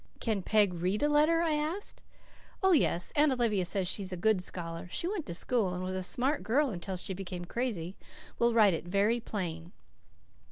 "Can Peg read a letter?" I asked. "Oh, yes. Aunt Olivia says she is a good scholar. She went to school and was a smart girl until she became crazy. We'll write it very plain."